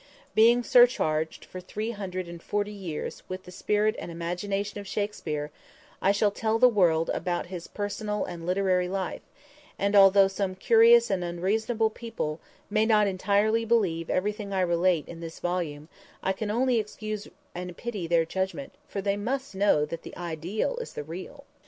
Being surcharged, for three hundred and forty years, with the spirit and imagination of Shakspere, I shall tell the world about his personal and literary life, and although some curious and unreasonable people may not entirely believe everything I relate in this volume, I can only excuse and pity their judgment, for they must know that the Ideal is the Real!